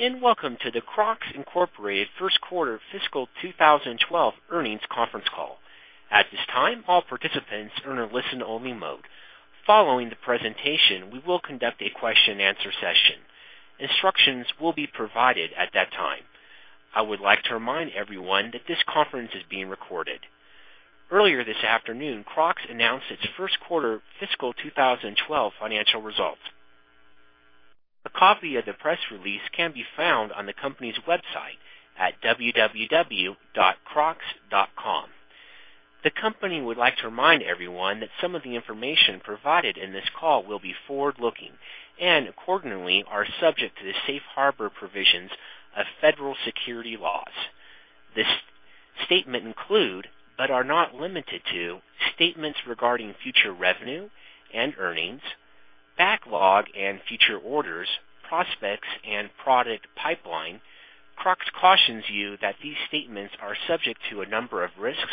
Good day, welcome to the Crocs Incorporated first quarter fiscal 2012 earnings conference call. At this time, all participants are in a listen-only mode. Following the presentation, we will conduct a question-and-answer session. Instructions will be provided at that time. I would like to remind everyone that this conference is being recorded. Earlier this afternoon, Crocs announced its first quarter fiscal 2012 financial results. A copy of the press release can be found on the company's website at www.crocs.com. The company would like to remind everyone that some of the information provided in this call will be forward-looking and accordingly are subject to the safe harbor provisions of federal securities laws. This statement include, but are not limited to, statements regarding future revenue and earnings, backlog and future orders, prospects, and product pipeline. Crocs cautions you that these statements are subject to a number of risks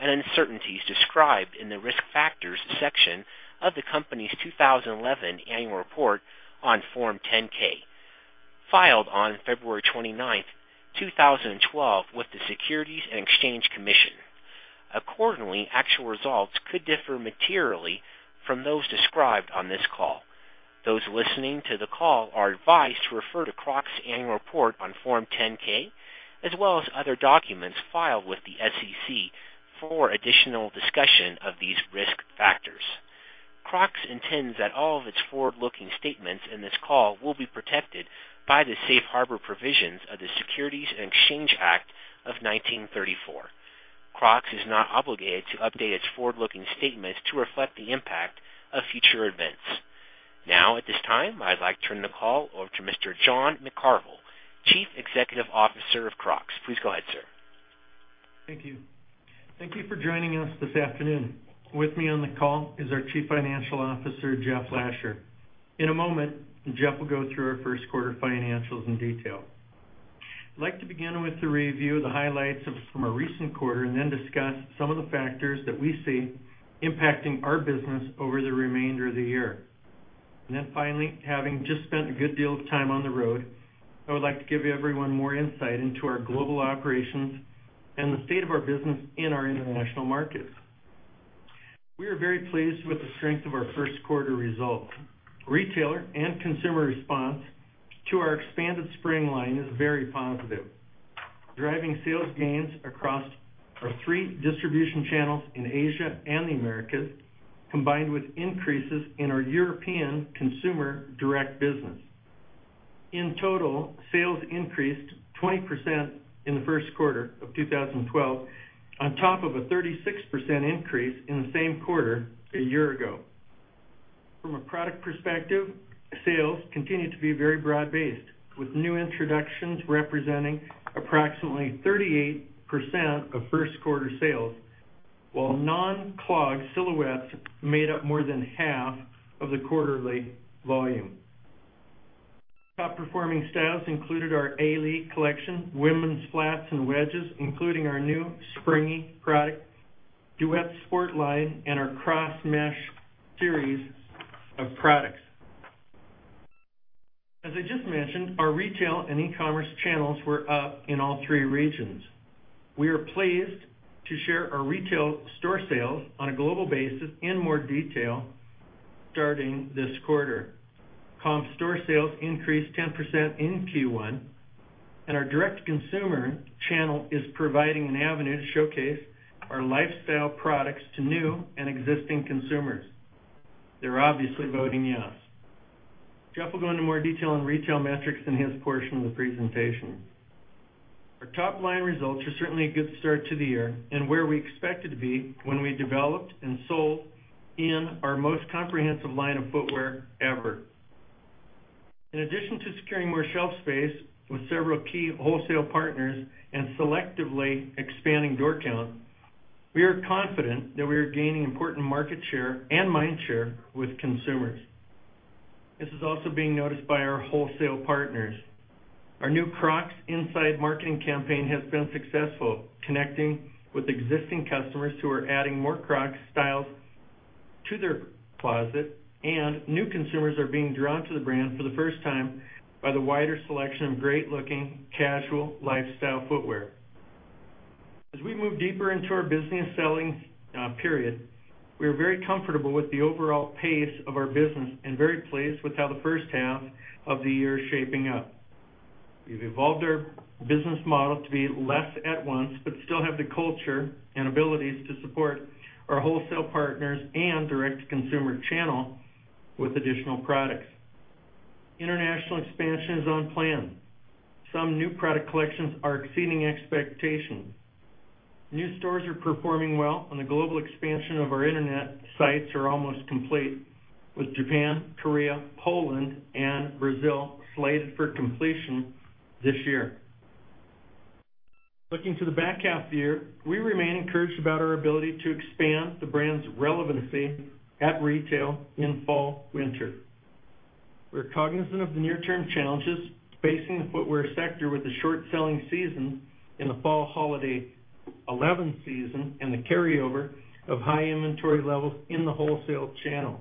and uncertainties described in the Risk Factors section of the company's 2011 annual report on Form 10-K, filed on February 29, 2012, with the Securities and Exchange Commission. Actual results could differ materially from those described on this call. Those listening to the call are advised to refer to Crocs annual report on Form 10-K, as well as other documents filed with the SEC for additional discussion of these risk factors. Crocs intends that all of its forward-looking statements in this call will be protected by the safe harbor provisions of the Securities Exchange Act of 1934. Crocs is not obligated to update its forward-looking statements to reflect the impact of future events. At this time, I'd like to turn the call over to Mr. John McCarvel, Chief Executive Officer of Crocs. Please go ahead, sir. Thank you. Thank you for joining us this afternoon. With me on the call is our Chief Financial Officer, Jeff Lasher. In a moment, Jeff will go through our first quarter financials in detail. I'd like to begin with a review of the highlights from our recent quarter and then discuss some of the factors that we see impacting our business over the remainder of the year. Finally, having just spent a good deal of time on the road, I would like to give everyone more insight into our global operations and the state of our business in our international markets. We are very pleased with the strength of our first quarter results. Retailer and consumer response to our expanded spring line is very positive, driving sales gains across our three distribution channels in Asia and the Americas, combined with increases in our European consumer direct business. In total, sales increased 20% in the first quarter of 2012, on top of a 36% increase in the same quarter a year ago. From a product perspective, sales continue to be very broad-based, with new introductions representing approximately 38% of first quarter sales, while non-clog silhouettes made up more than half of the quarterly volume. Top-performing styles included our Adrina collection, women's flats and wedges, including our new Springi product, Duet Sport line, and our Crosmesh series of products. As I just mentioned, our retail and e-commerce channels were up in all three regions. We are pleased to share our retail store sales on a global basis in more detail starting this quarter. Comp store sales increased 10% in Q1, and our direct-to-consumer channel is providing an avenue to showcase our lifestyle products to new and existing consumers. They're obviously voting yes. Jeff will go into more detail on retail metrics in his portion of the presentation. Our top-line results are certainly a good start to the year and where we expected to be when we developed and sold in our most comprehensive line of footwear ever. In addition to securing more shelf space with several key wholesale partners and selectively expanding door count, we are confident that we are gaining important market share and mind share with consumers. This is also being noticed by our wholesale partners. Our new Crocs Inside marketing campaign has been successful connecting with existing customers who are adding more Crocs styles to their closet, and new consumers are being drawn to the brand for the first time by the wider selection of great-looking casual lifestyle footwear. As we move deeper into our business selling period, we are very comfortable with the overall pace of our business and very pleased with how the first half of the year is shaping up. We've evolved our business model to be less at-once, but still have the culture and abilities to support our wholesale partners and direct-to-consumer channel with additional products. International expansion is on plan. Some new product collections are exceeding expectations. New stores are performing well, and the global expansion of our internet sites are almost complete, with Japan, Korea, Poland, and Brazil slated for completion this year. Looking to the back half of the year, we remain encouraged about our ability to expand the brand's relevancy at retail in fall/winter. We are cognizant of the near-term challenges facing the footwear sector with the short selling season in the fall holiday 2011 season and the carryover of high inventory levels in the wholesale channel.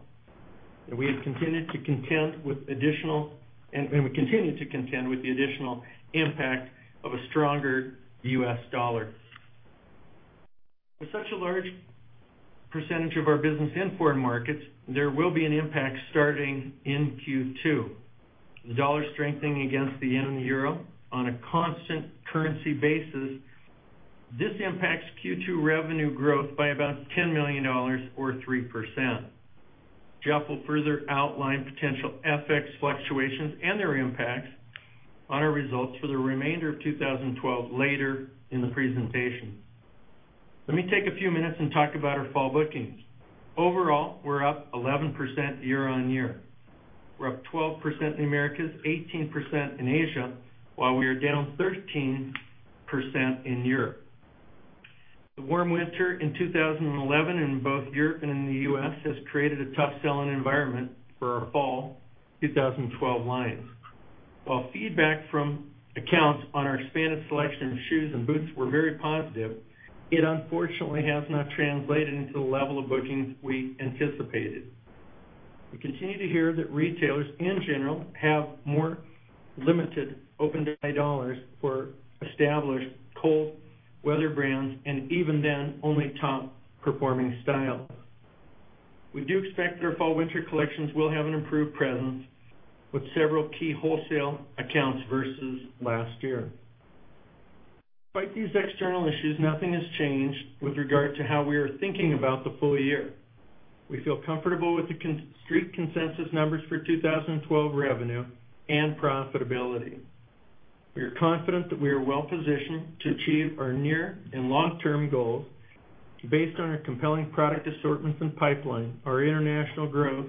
We continue to contend with the additional impact of a stronger US dollar. With such a large percentage of our business in foreign markets, there will be an impact starting in Q2. The dollar strengthening against the yen and the euro on a constant currency basis, this impacts Q2 revenue growth by about $10 million or 3%. Jeff will further outline potential FX fluctuations and their impacts on our results for the remainder of 2012 later in the presentation. Let me take a few minutes and talk about our fall bookings. Overall, we're up 11% year-over-year. We're up 12% in the Americas, 18% in Asia, while we are down 13% in Europe. The warm winter in 2011 in both Europe and in the U.S. has created a tough selling environment for our fall 2012 lines. While feedback from accounts on our expanded selection of shoes and boots were very positive, it unfortunately has not translated into the level of bookings we anticipated. We continue to hear that retailers, in general, have more limited open dollars for established cold weather brands, and even then, only top performing styles. We do expect that our fall/winter collections will have an improved presence with several key wholesale accounts versus last year. Despite these external issues, nothing has changed with regard to how we are thinking about the full year. We feel comfortable with the street consensus numbers for 2012 revenue and profitability. We are confident that we are well-positioned to achieve our near and long-term goals based on our compelling product assortments and pipeline, our international growth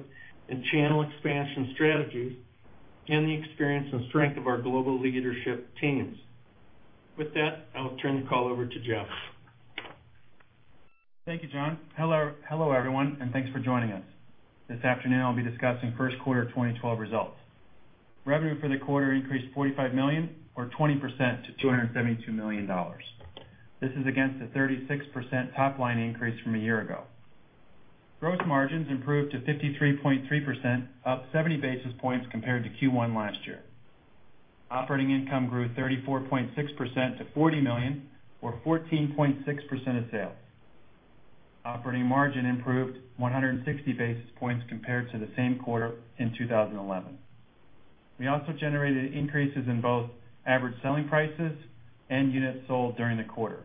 and channel expansion strategies, and the experience and strength of our global leadership teams. With that, I'll turn the call over to Jeff. Thank you, John. Hello, everyone, and thanks for joining us. This afternoon, I'll be discussing first quarter 2012 results. Revenue for the quarter increased $45 million or 20% to $272 million. This is against a 36% top-line increase from a year ago. Gross margins improved to 53.3% up 70 basis points compared to Q1 last year. Operating income grew 34.6% to $40 million or 14.6% of sales. Operating margin improved 160 basis points compared to the same quarter in 2011. We also generated increases in both Average Selling Prices and units sold during the quarter.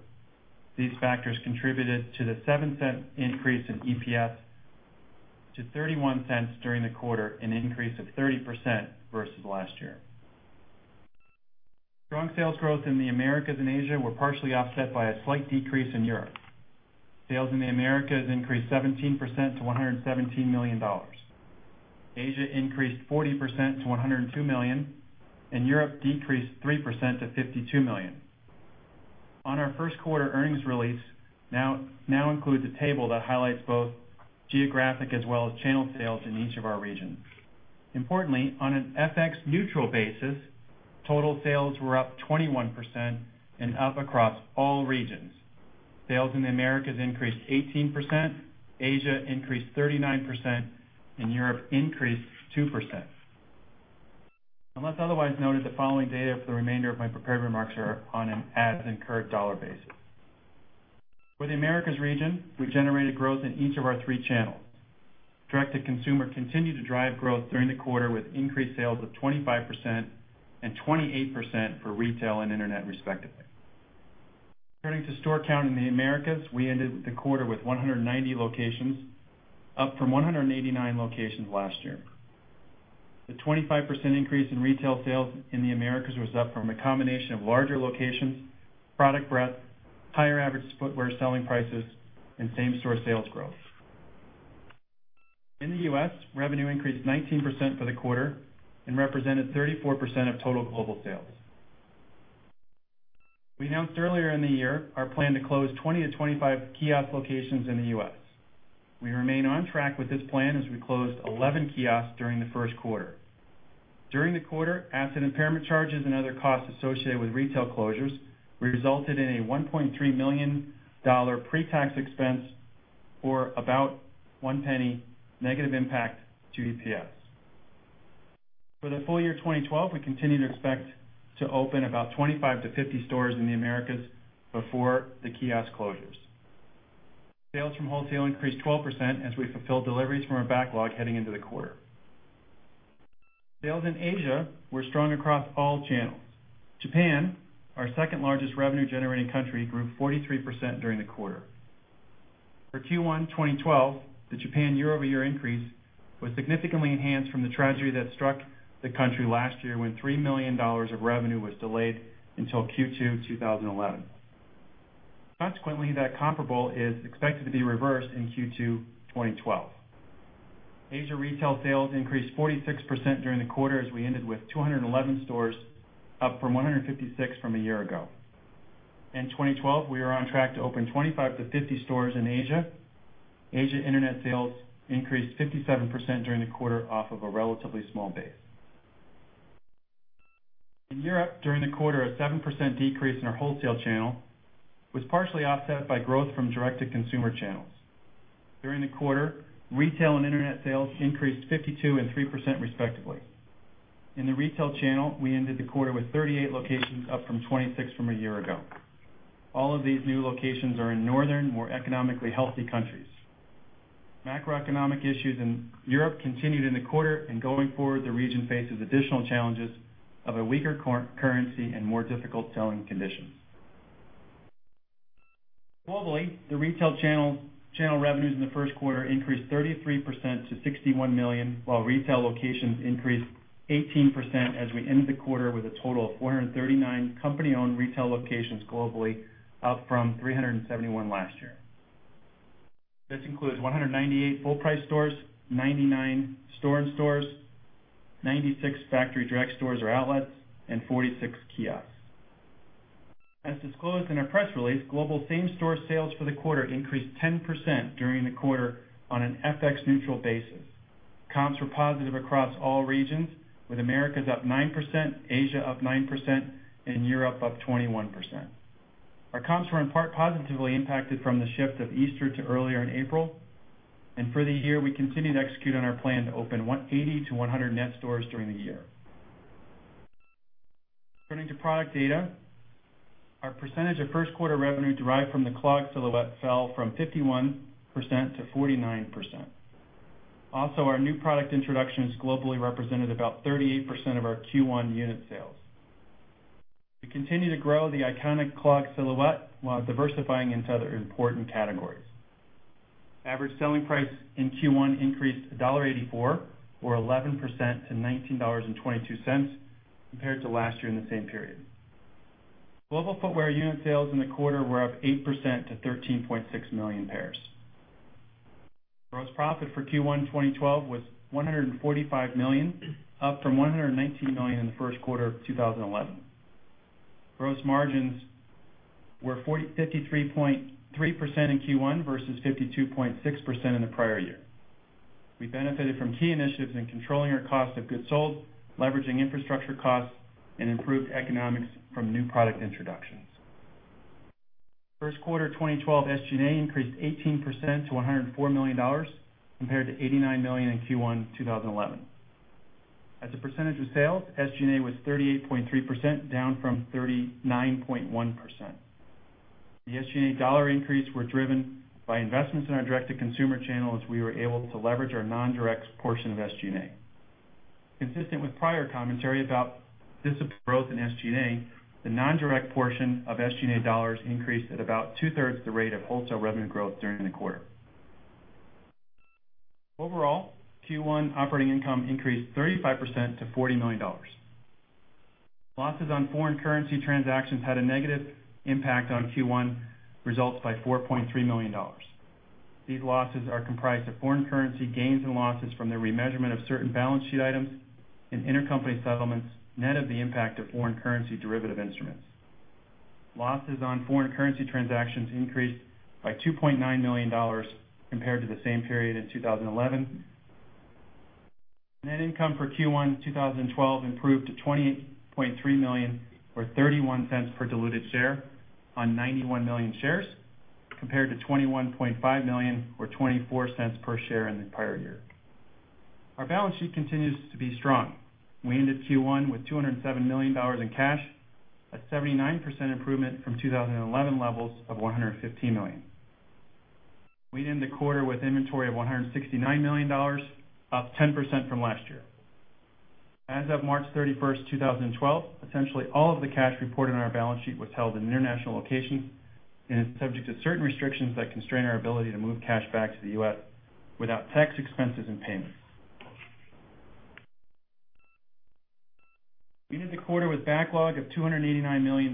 These factors contributed to the $0.07 increase in EPS to $0.31 during the quarter, an increase of 30% versus last year. Strong sales growth in the Americas and Asia were partially offset by a slight decrease in Europe. Sales in the Americas increased 17% to $117 million. Asia increased 40% to $102 million, and Europe decreased 3% to $52 million. Our first quarter earnings release now includes a table that highlights both geographic as well as channel sales in each of our regions. Importantly, on an FX neutral basis, total sales were up 21% and up across all regions. Sales in the Americas increased 18%, Asia increased 39%, and Europe increased 2%. Unless otherwise noted, the following data for the remainder of my prepared remarks are on an as incurred dollar basis. For the Americas region, we generated growth in each of our three channels. Direct-to-consumer continued to drive growth during the quarter with increased sales of 25% and 28% for retail and internet, respectively. Turning to store count in the Americas, we ended the quarter with 190 locations, up from 189 locations last year. The 25% increase in retail sales in the Americas was up from a combination of larger locations, product breadth, higher average footwear selling prices, and same-store sales growth. In the U.S., revenue increased 19% for the quarter and represented 34% of total global sales. We announced earlier in the year our plan to close 20 to 25 kiosk locations in the U.S. We remain on track with this plan as we closed 11 kiosks during the first quarter. During the quarter, asset impairment charges and other costs associated with retail closures resulted in a $1.3 million pre-tax expense or about $0.01 negative impact to EPS. For the full year 2012, we continue to expect to open about 25 to 50 stores in the Americas before the kiosk closures. Sales from wholesale increased 12% as we fulfilled deliveries from our backlog heading into the quarter. Sales in Asia were strong across all channels. Japan, our second largest revenue generating country, grew 43% during the quarter. For Q1 2012, the Japan year-over-year increase was significantly enhanced from the tragedy that struck the country last year when $3 million of revenue was delayed until Q2 2011. Consequently, that comparable is expected to be reversed in Q2 2012. Asia retail sales increased 46% during the quarter as we ended with 211 stores, up from 156 from a year ago. In 2012, we are on track to open 25 to 50 stores in Asia. Asia internet sales increased 57% during the quarter off of a relatively small base. In Europe during the quarter, a 7% decrease in our wholesale channel was partially offset by growth from direct-to-consumer channels. During the quarter, retail and internet sales increased 52% and 3%, respectively. In the retail channel, we ended the quarter with 38 locations, up from 26 from a year ago. All of these new locations are in northern, more economically healthy countries. Macroeconomic issues in Europe continued in the quarter. Going forward, the region faces additional challenges of a weaker currency and more difficult selling conditions. Globally, the retail channel revenues in the first quarter increased 33% to $61 million, while retail locations increased 18% as we ended the quarter with a total of 439 company-owned retail locations globally, up from 371 last year. This includes 198 full-price stores, 99 store-in-stores, 96 factory direct stores or outlets, and 46 kiosks. As disclosed in our press release, global same-store sales for the quarter increased 10% during the quarter on an FX-neutral basis. Comps were positive across all regions, with Americas up 9%, Asia up 9%, and Europe up 21%. Our comps were in part positively impacted from the shift of Easter to earlier in April. For the year, we continue to execute on our plan to open 80 to 100 net stores during the year. Turning to product data, our percentage of first quarter revenue derived from the clog silhouette fell from 51% to 49%. Also, our new product introductions globally represented about 38% of our Q1 unit sales. We continue to grow the iconic clog silhouette while diversifying into other important categories. Average Selling Price in Q1 increased $1.84 or 11% to $19.22 compared to last year in the same period. Global footwear unit sales in the quarter were up 8% to 13.6 million pairs. Gross profit for Q1 2012 was $145 million, up from $119 million in the first quarter of 2011. Gross margins were 53.3% in Q1 versus 52.6% in the prior year. We benefited from key initiatives in controlling our cost of goods sold, leveraging infrastructure costs, and improved economics from new product introductions. First quarter 2012 SG&A increased 18% to $104 million, compared to $89 million in Q1 2011. As a percentage of sales, SG&A was 38.3%, down from 39.1%. The SG&A dollar increase were driven by investments in our direct-to-consumer channel as we were able to leverage our non-direct portion of SG&A. Consistent with prior commentary about discipline growth in SG&A, the non-direct portion of SG&A dollars increased at about two-thirds the rate of wholesale revenue growth during the quarter. Overall, Q1 operating income increased 35% to $40 million. Losses on foreign currency transactions had a negative impact on Q1 results by $4.3 million. These losses are comprised of foreign currency gains and losses from the remeasurement of certain balance sheet items and intercompany settlements, net of the impact of foreign currency derivative instruments. Losses on foreign currency transactions increased by $2.9 million compared to the same period in 2011. Net income for Q1 2012 improved to $28.3 million, or $0.31 per diluted share on 91 million shares, compared to $21.5 million or $0.24 per share in the prior year. Our balance sheet continues to be strong. We ended Q1 with $207 million in cash, a 79% improvement from 2011 levels of $115 million. We ended the quarter with inventory of $169 million, up 10% from last year. As of March 31st, 2012, essentially all of the cash reported on our balance sheet was held in international locations and is subject to certain restrictions that constrain our ability to move cash back to the U.S. without tax expenses and payments. We ended the quarter with backlog of $289 million,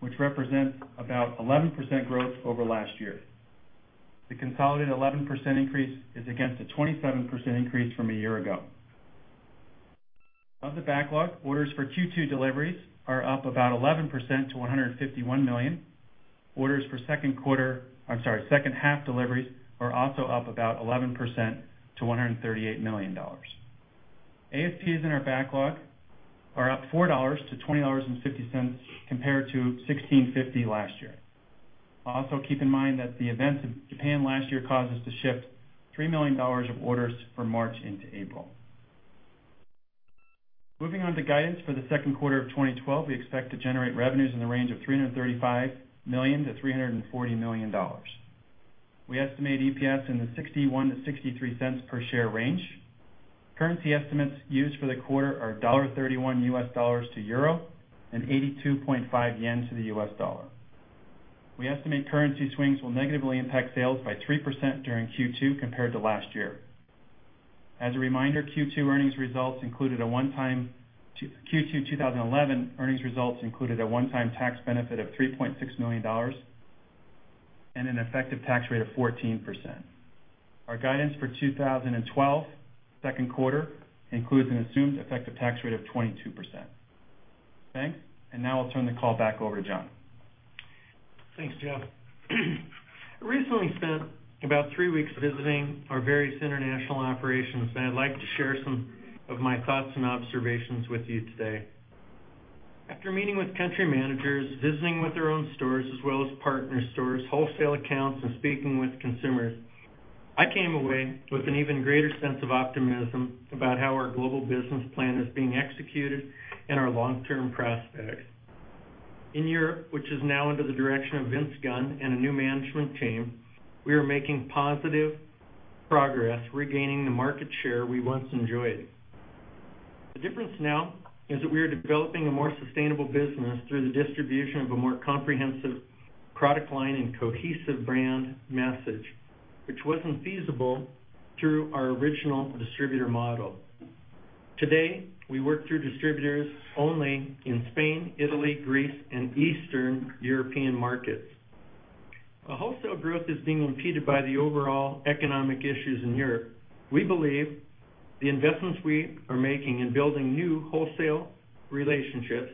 which represents about 11% growth over last year. The consolidated 11% increase is against a 27% increase from a year ago. Of the backlog, orders for Q2 deliveries are up about 11% to $151 million. Orders for second half deliveries are also up about 11% to $138 million. ASPs in our backlog are up $4 to $20.50 compared to $16.50 last year. Also, keep in mind that the events of Japan last year caused us to shift $3 million of orders from March into April. Moving on to guidance for the second quarter of 2012, we expect to generate revenues in the range of $335 million to $340 million. We estimate EPS in the $0.61-$0.63 per share range. Currency estimates used for the quarter are 1.31 US dollars to EUR and JPY 82.5 to the US dollar. We estimate currency swings will negatively impact sales by 3% during Q2 compared to last year. As a reminder, Q2 2011 earnings results included a one-time tax benefit of $3.6 million and an effective tax rate of 14%. Our guidance for 2012 second quarter includes an assumed effective tax rate of 22%. Thanks. Now I'll turn the call back over to John. Thanks, Jeff. I recently spent about three weeks visiting our various international operations, and I'd like to share some of my thoughts and observations with you today. After meeting with country managers, visiting with their own stores as well as partner stores, wholesale accounts, and speaking with consumers, I came away with an even greater sense of optimism about how our global business plan is being executed and our long-term prospects. In Europe, which is now under the direction of Vince Gunn and a new management team, we are making positive progress regaining the market share we once enjoyed. The difference now is that we are developing a more sustainable business through the distribution of a more comprehensive product line and cohesive brand message, which wasn't feasible through our original distributor model. Today, we work through distributors only in Spain, Italy, Greece, and Eastern European markets. Our wholesale growth is being impeded by the overall economic issues in Europe. We believe the investments we are making in building new wholesale relationships,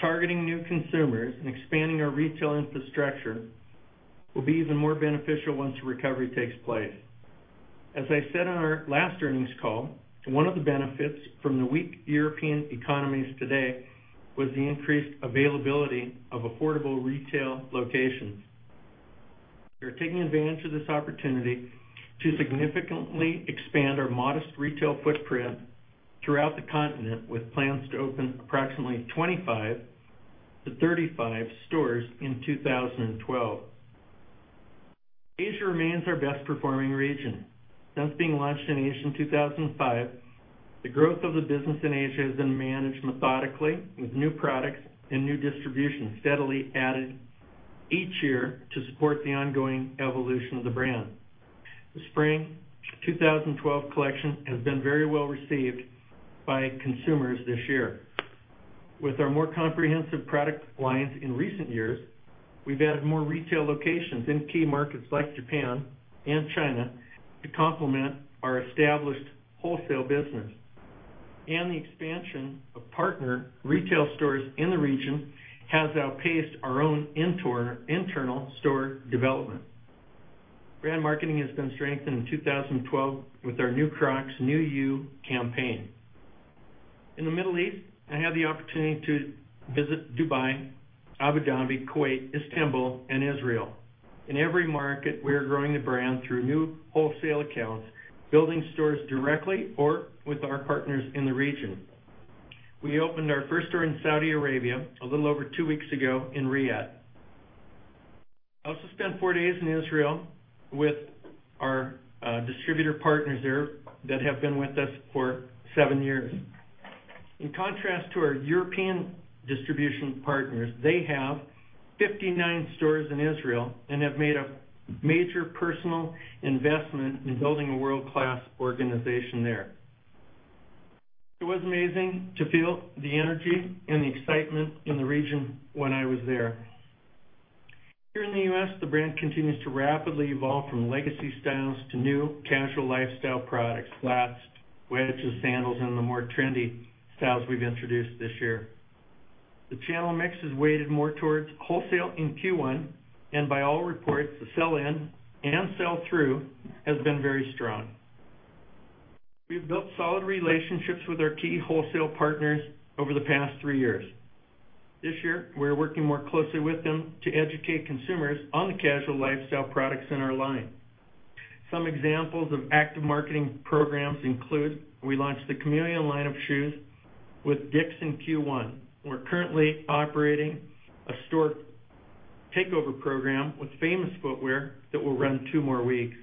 targeting new consumers, and expanding our retail infrastructure will be even more beneficial once a recovery takes place. As I said on our last earnings call, one of the benefits from the weak European economies today was the increased availability of affordable retail locations. We are taking advantage of this opportunity to significantly expand our modest retail footprint throughout the continent, with plans to open approximately 25-35 stores in 2012. Asia remains our best performing region. Since being launched in Asia in 2005, the growth of the business in Asia has been managed methodically with new products and new distribution steadily added each year to support the ongoing evolution of the brand. The Spring 2012 collection has been very well received by consumers this year. With our more comprehensive product lines in recent years, we've added more retail locations in key markets like Japan and China to complement our established wholesale business. The expansion of partner retail stores in the region has outpaced our own internal store development. Brand marketing has been strengthened in 2012 with our New Crocs, New You campaign. In the Middle East, I had the opportunity to visit Dubai, Abu Dhabi, Kuwait, Istanbul, and Israel. In every market, we are growing the brand through new wholesale accounts, building stores directly or with our partners in the region. We opened our first store in Saudi Arabia a little over two weeks ago in Riyadh. I also spent four days in Israel with our distributor partners there that have been with us for seven years. In contrast to our European distribution partners, they have 59 stores in Israel and have made a major personal investment in building a world-class organization there. It was amazing to feel the energy and the excitement in the region when I was there. Here in the U.S., the brand continues to rapidly evolve from legacy styles to new casual lifestyle products, flats, wedges, sandals, and the more trendy styles we've introduced this year. The channel mix has weighted more towards wholesale in Q1, and by all reports, the sell-in and sell-through has been very strong. We've built solid relationships with our key wholesale partners over the past three years. This year, we're working more closely with them to educate consumers on the casual lifestyle products in our line. Some examples of active marketing programs include we launched the Chameleon line of shoes with Dick's in Q1. We're currently operating a store takeover program with Famous Footwear that will run two more weeks.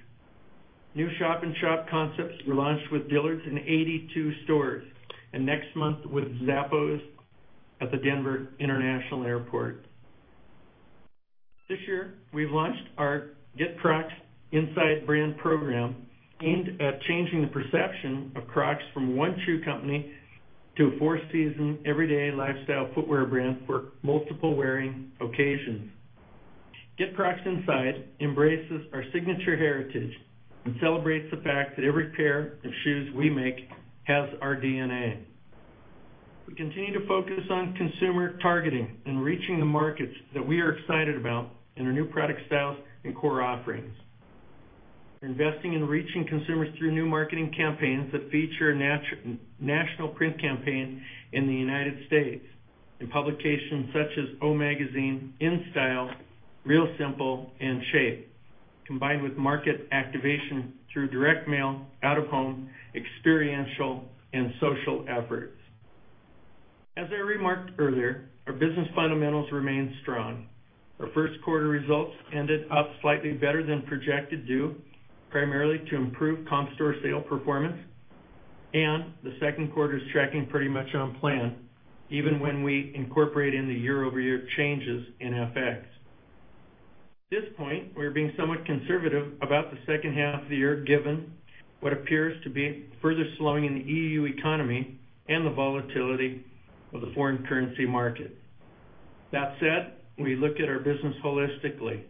New shop-in-shop concepts were launched with Dillard's in 82 stores, and next month with Zappos at the Denver International Airport. This year, we've launched our Get Crocs Inside brand program aimed at changing the perception of Crocs from one shoe company to a four-season, everyday lifestyle footwear brand for multiple wearing occasions. Get Crocs Inside embraces our signature heritage and celebrates the fact that every pair of shoes we make has our DNA. We continue to focus on consumer targeting and reaching the markets that we are excited about in our new product styles and core offerings. We're investing in reaching consumers through new marketing campaigns that feature a national print campaign in the U.S. in publications such as O Magazine, InStyle, Real Simple, and Shape, combined with market activation through direct mail, out of home, experiential, and social efforts. As I remarked earlier, our business fundamentals remain strong. The second quarter's tracking pretty much on plan even when we incorporate in the year-over-year changes in FX. At this point, we are being somewhat conservative about the second half of the year, given what appears to be further slowing in the EU economy and the volatility of the foreign currency market. That said, we look at our business holistically,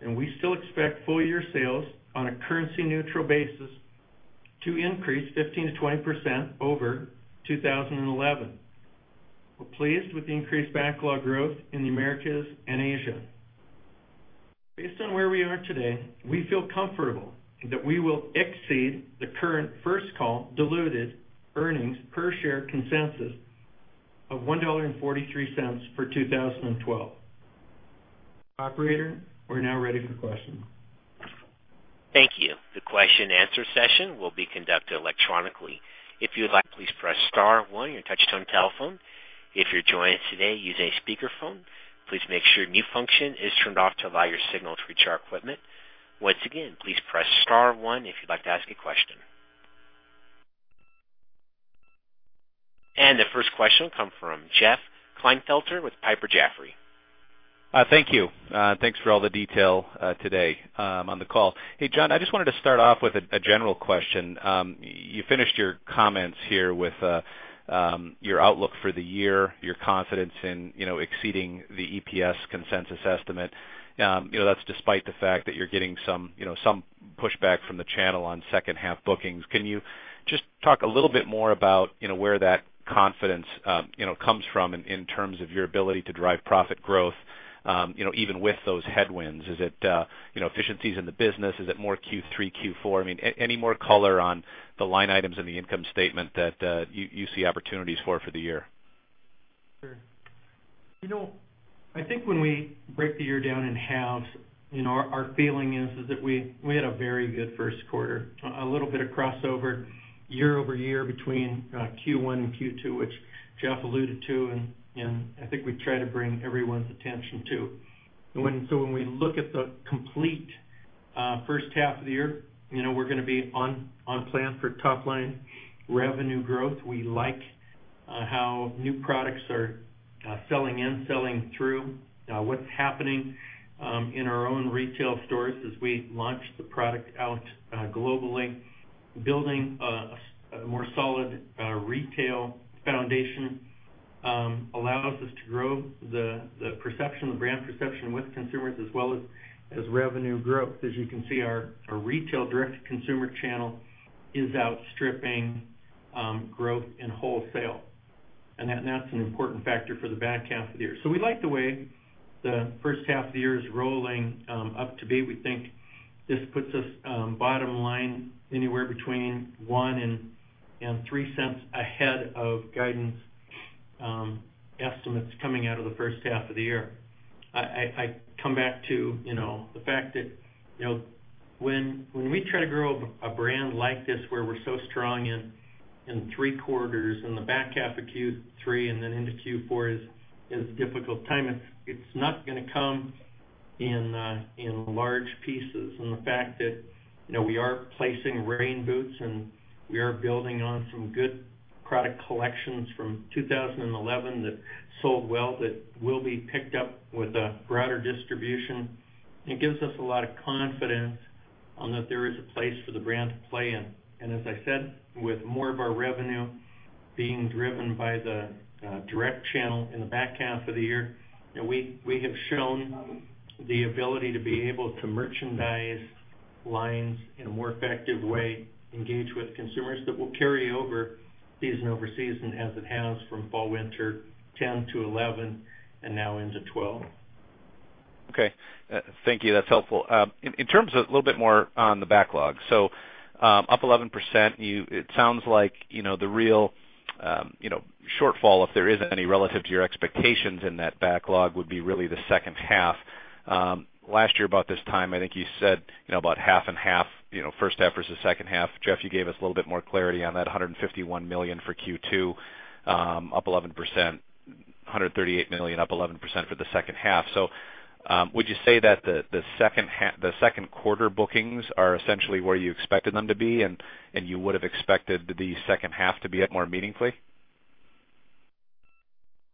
and we still expect full-year sales on a currency-neutral basis to increase 15%-20% over 2011. We're pleased with the increased backlog growth in the Americas and Asia. Based on where we are today, we feel comfortable that we will exceed the current First Call diluted earnings per share consensus of $1.43 for 2012. Operator, we're now ready for questions. Thank you. The question and answer session will be conducted electronically. If you would like, please press star one on your touch-tone telephone. If you're joining us today using a speakerphone, please make sure mute function is turned off to allow your signal to reach our equipment. Once again, please press star one if you'd like to ask a question. The first question will come from Jeff Klinefelter with Piper Jaffray. Thank you. Thanks for all the detail today on the call. Hey, John, I just wanted to start off with a general question. You finished your comments here with your outlook for the year, your confidence in exceeding the EPS consensus estimate. That is despite the fact that you are getting some pushback from the channel on second half bookings. Can you just talk a little bit more about where that confidence comes from in terms of your ability to drive profit growth even with those headwinds? Is it efficiencies in the business? Is it more Q3, Q4? Any more color on the line items in the income statement that you see opportunities for the year? Sure. I think when we break the year down in halves, our feeling is that we had a very good first quarter, a little bit of crossover year-over-year between Q1 and Q2, which Jeff alluded to, and I think we try to bring everyone's attention to. When we look at the complete first half of the year, we are going to be on plan for top-line revenue growth. We like how new products are selling and selling through. What is happening in our own retail stores as we launch the product out globally, building a more solid retail foundation allows us to grow the brand perception with consumers as well as revenue growth. As you can see, our retail direct-to-consumer channel is outstripping growth in wholesale, and that is an important factor for the back half of the year. We like the way the first half of the year is rolling up to be. We think this puts us bottom line anywhere between $0.01 and $0.03 ahead of guidance estimates coming out of the first half of the year. I come back to the fact that when we try to grow a brand like this where we are so strong in three quarters, in the back half of Q3 and then into Q4 is a difficult time. It is not going to come in large pieces and the fact that we are placing rain boots and we are building on some good product collections from 2011 that sold well, that will be picked up with a broader distribution. It gives us a lot of confidence that there is a place for the brand to play in. As I said, with more of our revenue being driven by the direct channel in the back half of the year, we have shown the ability to be able to merchandise lines in a more effective way, engage with consumers that will carry over season-over-season as it has from fall/winter 2010 to 2011 and now into 2012. Okay. Thank you. That's helpful. In terms of a little bit more on the backlog. Up 11%, it sounds like the real shortfall, if there is any, relative to your expectations in that backlog would be really the second half. Last year about this time, I think you said about half and half, first half versus second half. Jeff, you gave us a little bit more clarity on that $151 million for Q2, up 11%, $138 million, up 11% for the second half. Would you say that the second quarter bookings are essentially where you expected them to be and you would have expected the second half to be up more meaningfully?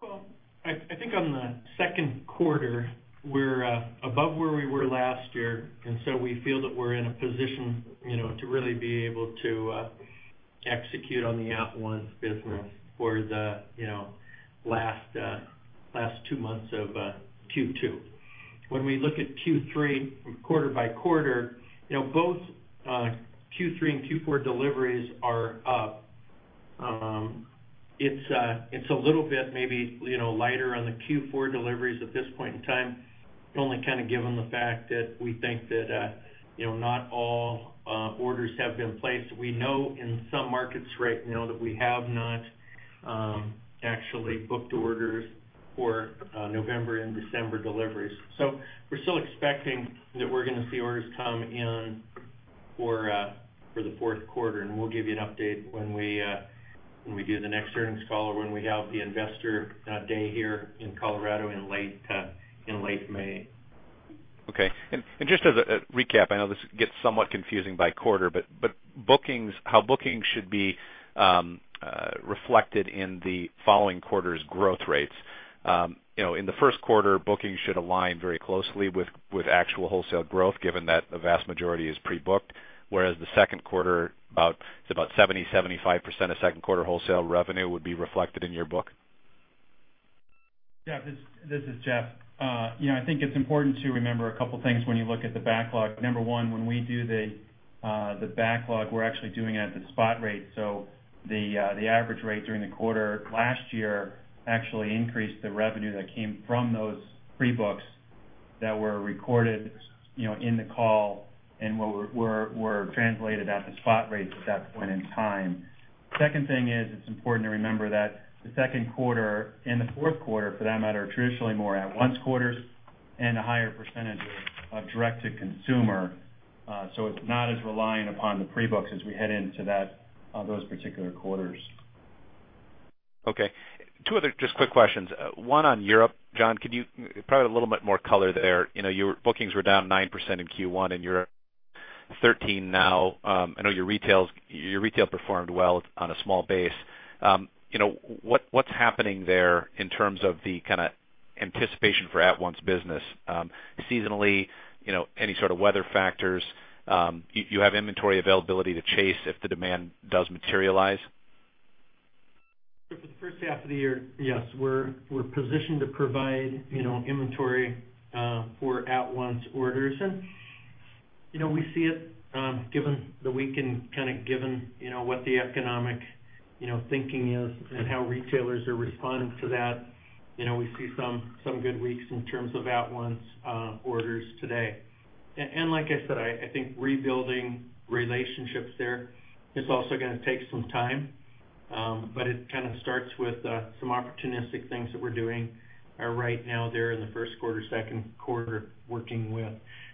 Well, I think on the second quarter, we're above where we were last year, and we feel that we're in a position to really be able to execute on the at-once business for the last two months of Q2. When we look at Q3 quarter by quarter, both Q3 and Q4 deliveries are up. It's a little bit maybe lighter on the Q4 deliveries at this point in time, only kind of given the fact that we think that not all orders have been placed. We know in some markets right now that we have not actually booked orders for November and December deliveries. We're still expecting that we're going to see orders come in for the fourth quarter, and we'll give you an update when we do the next earnings call or when we have the investor day here in Colorado in late May. Okay. Just as a recap, I know this gets somewhat confusing by quarter, but how bookings should be reflected in the following quarter's growth rates. In the first quarter, bookings should align very closely with actual wholesale growth given that the vast majority is pre-booked, whereas the second quarter, about 70%-75% of second quarter wholesale revenue would be reflected in your book? Jeff, this is Jeff. I think it's important to remember a couple things when you look at the backlog. Number one, when we do the backlog, we're actually doing it at the spot rate. The average rate during the quarter last year actually increased the revenue that came from those pre-books that were recorded in the call and were translated at the spot rates at that point in time. Second thing is, it's important to remember that the second quarter and the fourth quarter, for that matter, are traditionally more at-once quarters and a higher percentage of direct-to-consumer. It's not as reliant upon the pre-books as we head into those particular quarters. Okay. Two other just quick questions. One on Europe. John, could you provide a little bit more color there? Your bookings were down 9% in Q1 and you're 13 now. I know your retail performed well on a small base. What's happening there in terms of the kind of anticipation for at-once business? Seasonally, any sort of weather factors, you have inventory availability to chase if the demand does materialize? For the first half of the year, yes, we're positioned to provide inventory for at-once orders. We see it given the week and kind of given what the economic thinking is and how retailers are responding to that. We see some good weeks in terms of at-once orders today. Like I said, I think rebuilding relationships there is also going to take some time. It kind of starts with some opportunistic things that we're doing right now there in the first quarter, second quarter, working with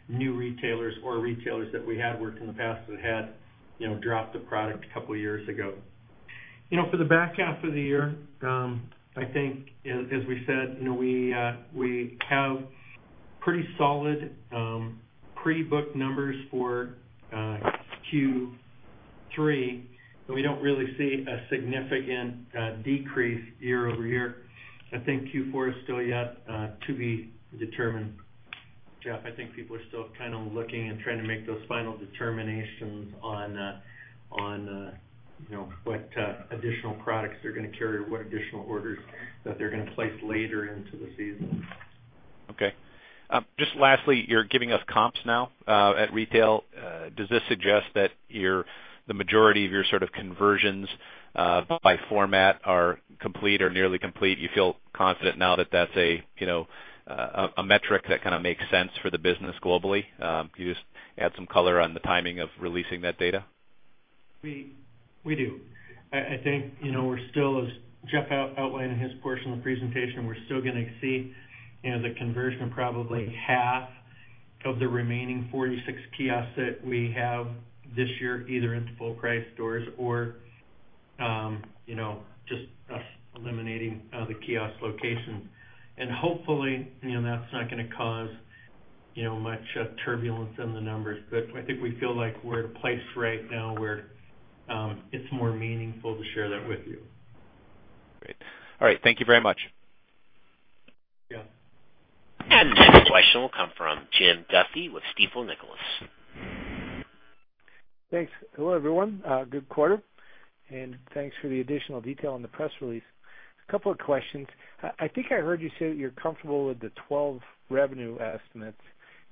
new retailers or retailers that we had worked in the past that had dropped the product a couple of years ago. For the back half of the year, I think as we said, we have pretty solid pre-book numbers for Q3, we don't really see a significant decrease year-over-year. I think Q4 is still yet to be determined. Jeff, I think people are still kind of looking and trying to make those final determinations on what additional products they're going to carry, what additional orders that they're going to place later into the season. Okay. Just lastly, you're giving us comps now at retail. Does this suggest that the majority of your sort of conversions by format are complete or nearly complete? You feel confident now that that's a metric that kind of makes sense for the business globally? Can you just add some color on the timing of releasing that data? We do. I think we're still, as Jeff outlined in his portion of the presentation, we're still going to see the conversion of probably half of the remaining 46 kiosks that we have this year, either into full price stores or just us eliminating the kiosk location. Hopefully, that's not going to cause much turbulence in the numbers. I think we feel like we're at a place right now where it's more meaningful to share that with you. Great. All right. Thank you very much. Yeah. The next question will come from Jim Duffy with Stifel Nicolaus. Thanks. Hello, everyone. Good quarter. Thanks for the additional detail on the press release. A couple of questions. I think I heard you say that you're comfortable with the 2012 revenue estimates,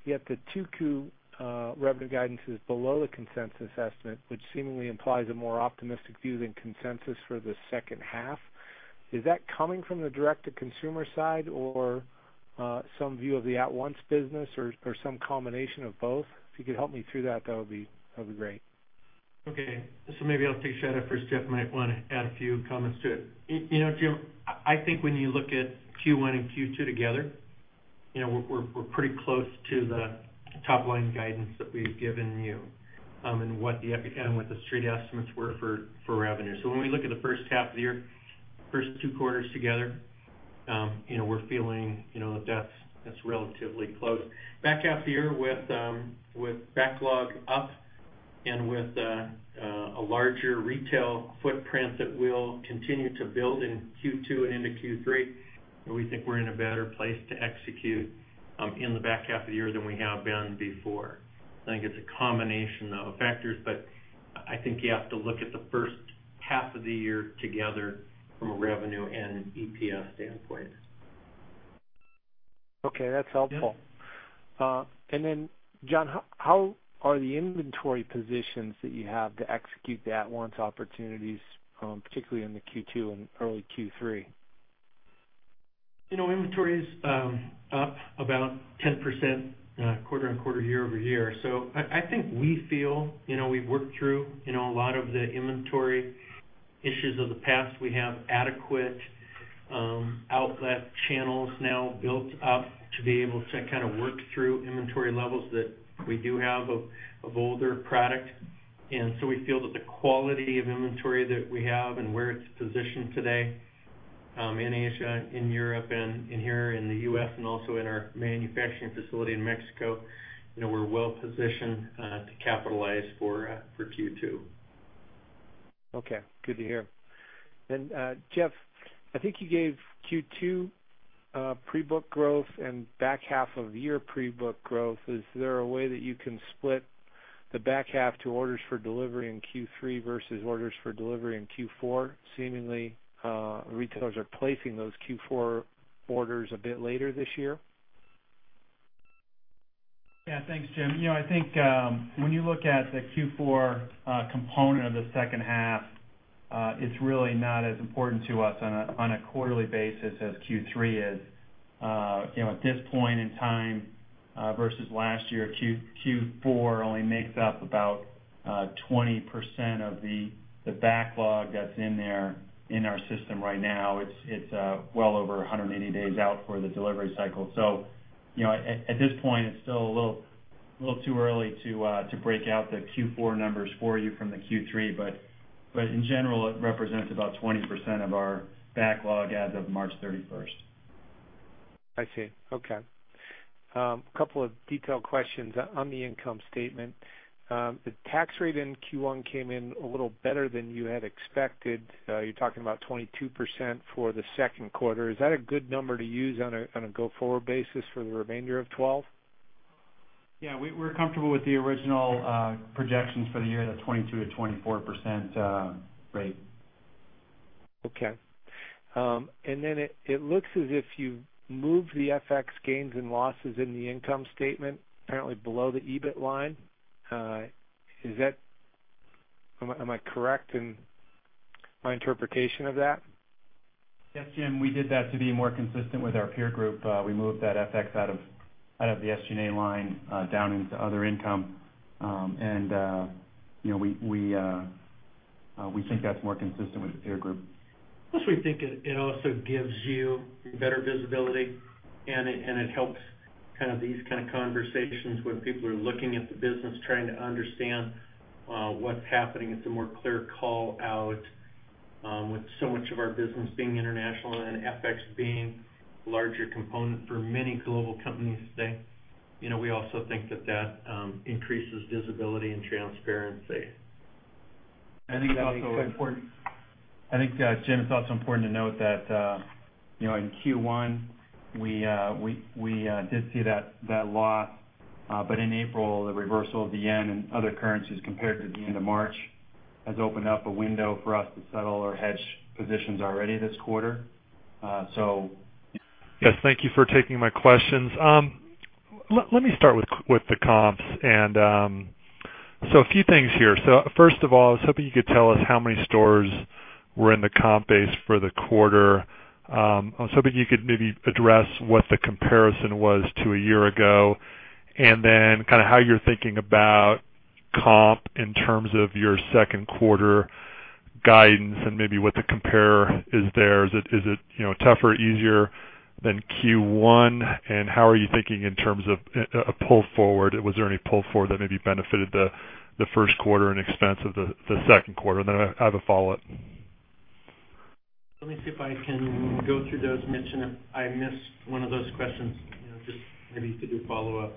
yet the 2Q revenue guidance is below the consensus estimate, which seemingly implies a more optimistic view than consensus for the second half. Is that coming from the direct-to-consumer side or some view of the at-once business or some combination of both? If you could help me through that would be great. Okay. Maybe I'll take a shot at first. Jeff might want to add a few comments to it. Jim, I think when you look at Q1 and Q2 together, we're pretty close to the top-line guidance that we've given you and what the street estimates were for revenue. When we look at the first half of the year, first two quarters together, we're feeling that's relatively close. Back half of the year with backlog up and with a larger retail footprint that we'll continue to build in Q2 and into Q3, we think we're in a better place to execute in the back half of the year than we have been before. I think it's a combination of factors. I think you have to look at the first half of the year together from a revenue and EPS standpoint. Okay. That's helpful. Yeah. John, how are the inventory positions that you have to execute the at-once opportunities, particularly in the Q2 and early Q3? Inventory is up about 10% quarter-over-quarter, year-over-year. I think we feel we've worked through a lot of the inventory issues of the past. We have adequate outlet channels now built up to be able to kind of work through inventory levels that we do have of older product. We feel that the quality of inventory that we have and where it's positioned today in Asia, in Europe, and here in the U.S., and also in our manufacturing facility in Mexico, we're well positioned to capitalize for Q2. Okay. Good to hear. Jeff, I think you gave Q2 pre-book growth and back half of year pre-book growth. Is there a way that you can split the back half to orders for delivery in Q3 versus orders for delivery in Q4. Seemingly, retailers are placing those Q4 orders a bit later this year. Thanks, Jim. I think when you look at the Q4 component of the second half, it's really not as important to us on a quarterly basis as Q3 is. At this point in time versus last year, Q4 only makes up about 20% of the backlog that's in there in our system right now. It's well over 180 days out for the delivery cycle. At this point, it's still a little too early to break out the Q4 numbers for you from the Q3. In general, it represents about 20% of our backlog as of March 31st. I see. Okay. Couple of detailed questions on the income statement. The tax rate in Q1 came in a little better than you had expected. You're talking about 22% for the second quarter. Is that a good number to use on a go-forward basis for the remainder of 2012? Yeah, we're comfortable with the original projections for the year at a 22%-24% rate. Okay. It looks as if you've moved the FX gains and losses in the income statement, apparently below the EBIT line. Am I correct in my interpretation of that? Yes, Jim. We did that to be more consistent with our peer group. We moved that FX out of the SG&A line down into other income. We think that's more consistent with the peer group. We think it also gives you better visibility, and it helps these kind of conversations when people are looking at the business trying to understand what's happening. It's a more clear call-out with so much of our business being international and FX being a larger component for many global companies today. We also think that that increases visibility and transparency. I think, Jim, it's also important to note that, in Q1, we did see that loss. In April, the reversal of the JPY and other currencies compared to the end of March has opened up a window for us to settle our hedge positions already this quarter. Yes, thank you for taking my questions. Let me start with the comps. A few things here. First of all, I was hoping you could tell us how many stores were in the comp base for the quarter. I was hoping you could maybe address what the comparison was to a year ago, and then kind of how you're thinking about comp in terms of your second quarter guidance and maybe what the compare is there. Is it tougher, easier than Q1? How are you thinking in terms of a pull forward? Was there any pull forward that maybe benefited the first quarter in expense of the second quarter? I have a follow-up. Let me see if I can go through those, Mitch. If I miss one of those questions, just maybe to do a follow-up.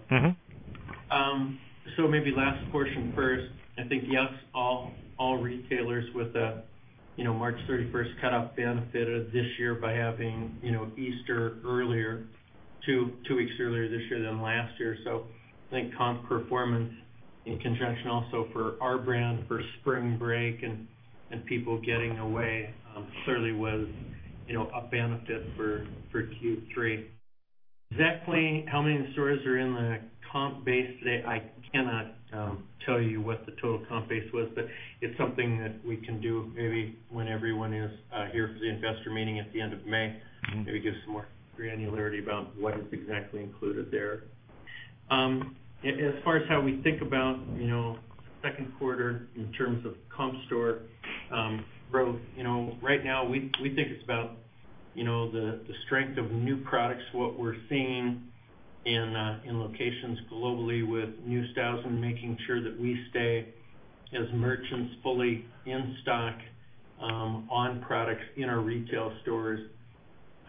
Maybe last portion first. I think, yes, all retailers with a March 31st cutoff benefited this year by having Easter earlier, two weeks earlier this year than last year. I think comp performance in conjunction also for our brand for spring break and people getting away certainly was a benefit for Q1. Exactly how many stores are in the comp base today, I cannot tell you what the total comp base was. It's something that we can do maybe when everyone is here for the investor meeting at the end of May. Maybe give some more granularity about what is exactly included there. As far as how we think about second quarter in terms of comp store growth, right now, we think it's about the strength of new products, what we're seeing in locations globally with new styles and making sure that we stay, as merchants, fully in stock on products in our retail stores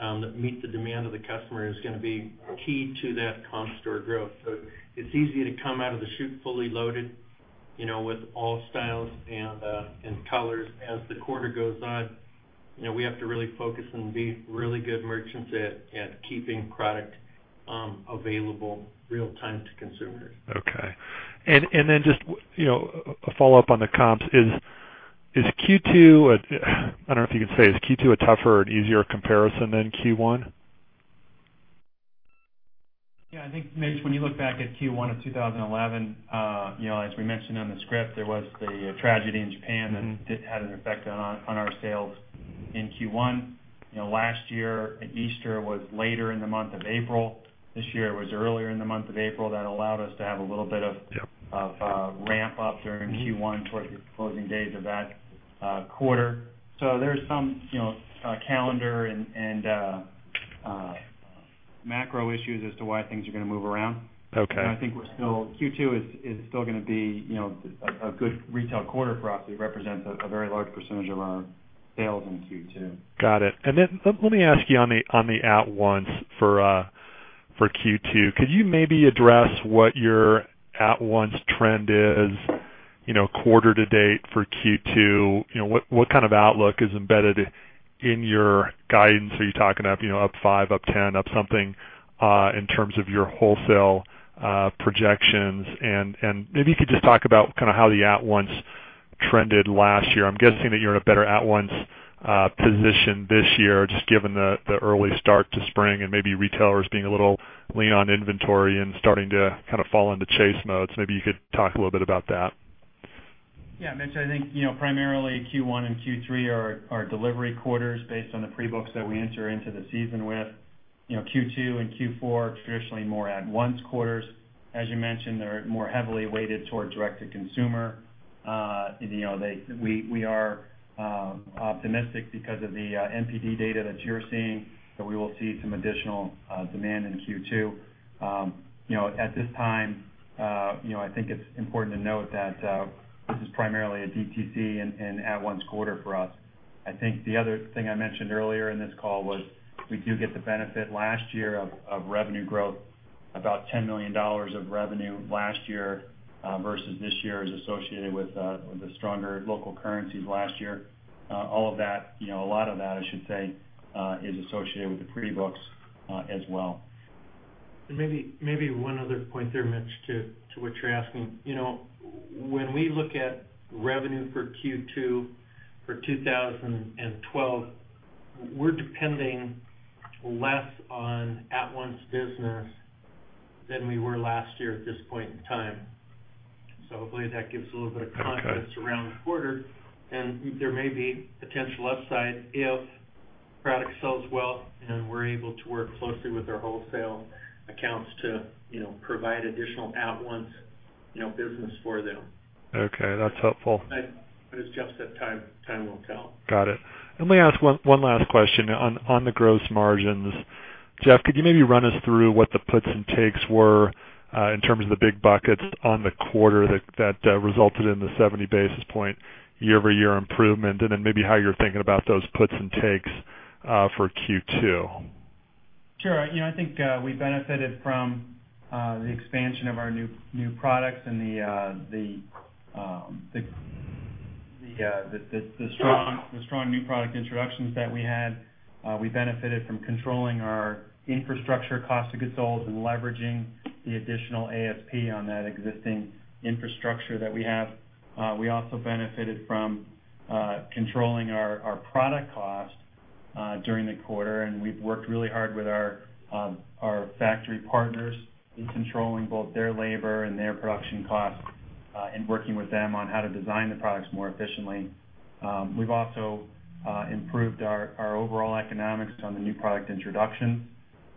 that meet the demand of the customer is going to be key to that comp store growth. It's easy to come out of the chute fully loaded with all styles and colors. As the quarter goes on, we have to really focus and be really good merchants at keeping product available real time to consumers. Okay. Just a follow-up on the comps. I don't know if you can say, is Q2 a tougher or an easier comparison than Q1? Yeah, I think, Mitch, when you look back at Q1 of 2011, as we mentioned on the script, there was the tragedy in Japan that did have an effect on our sales in Q1. Last year, Easter was later in the month of April. This year, it was earlier in the month of April. That allowed us to have a little bit of ramp-up during Q1 towards the closing days of that quarter. There's some calendar and macro issues as to why things are going to move around. Okay. I think Q2 is still going to be a good retail quarter for us. It represents a very large percentage of our sales in Q2. Got it. Let me ask you on the at-once for Q2. Could you maybe address what your at-once trend is quarter to date for Q2, what kind of outlook is embedded in your guidance? Are you talking up 5%, up 10%, up something in terms of your wholesale projections? Maybe you could just talk about how the at-once trended last year. I'm guessing that you're in a better at-once position this year, just given the early start to spring and maybe retailers being a little lean on inventory and starting to fall into chase modes. Maybe you could talk a little bit about that. Yeah, Mitch, I think, primarily Q1 and Q3 are our delivery quarters based on the pre-books that we enter into the season with. Q2 and Q4 are traditionally more at-once quarters. As you mentioned, they're more heavily weighted toward direct-to-consumer. We are optimistic because of the NPD data that you're seeing, that we will see some additional demand in Q2. At this time, I think it's important to note that this is primarily a DTC and at-once quarter for us. I think the other thing I mentioned earlier in this call was we do get the benefit last year of revenue growth. About $10 million of revenue last year versus this year is associated with the stronger local currencies last year. A lot of that, I should say, is associated with the pre-books as well. Maybe one other point there, Mitch, to what you're asking. When we look at revenue for Q2 for 2012, we're depending less on at-once business than we were last year at this point in time. Hopefully that gives a little bit of context. Okay Around the quarter. There may be potential upside if product sells well and we're able to work closely with our wholesale accounts to provide additional at-once business for them. Okay. That's helpful. As Jeff said, time will tell. Got it. Let me ask one last question. On the gross margins, Jeff, could you maybe run us through what the puts and takes were, in terms of the big buckets on the quarter that resulted in the 70 basis point year-over-year improvement, and then maybe how you're thinking about those puts and takes for Q2? Sure. I think we benefited from the expansion of our new products and the strong new product introductions that we had. We benefited from controlling our infrastructure cost of goods sold and leveraging the additional ASP on that existing infrastructure that we have. We also benefited from controlling our product cost during the quarter, and we've worked really hard with our factory partners in controlling both their labor and their production costs, and working with them on how to design the products more efficiently. We've also improved our overall economics on the new product introduction.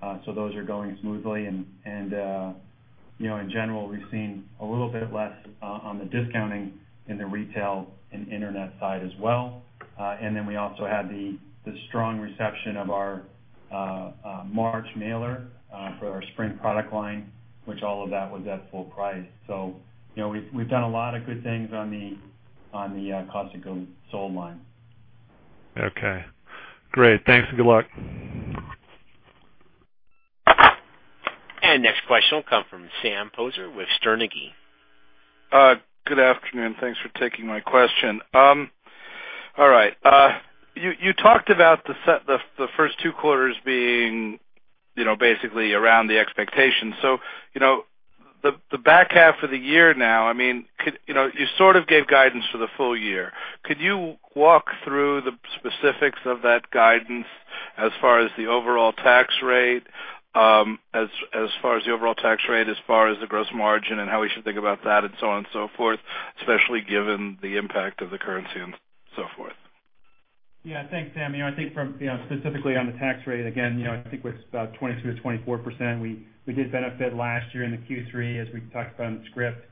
Those are going smoothly and in general, we've seen a little bit less on the discounting in the retail and internet side as well. Then we also had the strong reception of our March mailer for our spring product line, which all of that was at full price. We've done a lot of good things on the cost of goods sold line. Okay. Great. Thanks, and good luck. Next question will come from Sam Poser with Sterne Agee. Good afternoon. Thanks for taking my question. All right. You talked about the first two quarters being basically around the expectation. The back half of the year now, you sort of gave guidance for the full year. Could you walk through the specifics of that guidance as far as the overall tax rate, as far as the gross margin, and how we should think about that, and so on and so forth, especially given the impact of the currency and so forth? Thanks, Sam. I think from specifically on the tax rate, again, I think we're about 22%-24%. We did benefit last year in the Q3 as we talked about on the script,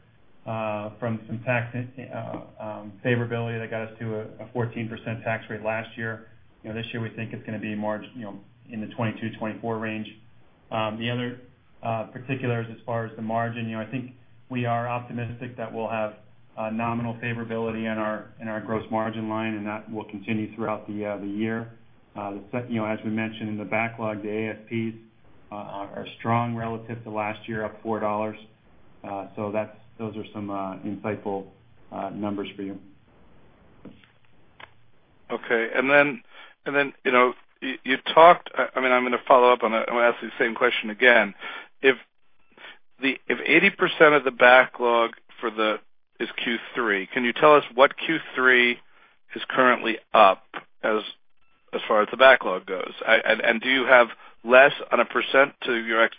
from some tax favorability that got us to a 14% tax rate last year. This year, we think it's going to be more in the 22%-24% range. The other particular is as far as the margin. I think we are optimistic that we'll have a nominal favorability in our gross margin line, and that will continue throughout the year. As we mentioned in the backlog, the ASPs are strong relative to last year, up $4. Those are some insightful numbers for you. I'm going to follow up on that. I'm going to ask you the same question again. If 80% of the backlog is Q3, can you tell us what Q3 is currently up, as far as the backlog goes? Do you have less on a percent at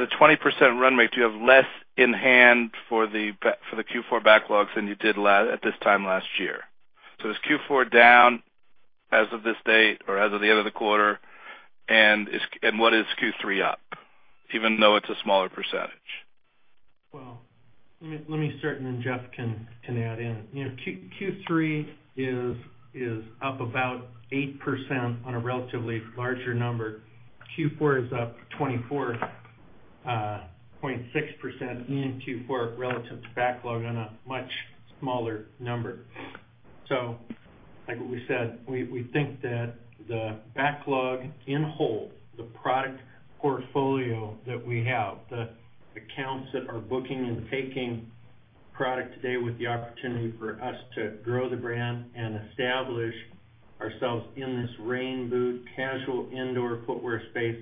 a 20% run rate, do you have less in hand for the Q4 backlogs than you did at this time last year? Is Q4 down as of this date or as of the end of the quarter? What is Q3 up, even though it's a smaller percentage? Let me start, Jeff can add in. Q3 is up about 8% on a relatively larger number. Q4 is up 24.6% in Q4 relative to backlog on a much smaller number. Like we said, we think that the backlog in whole, the product portfolio that we have, the accounts that are booking and taking product today with the opportunity for us to grow the brand and establish ourselves in this rain boot, casual indoor footwear space,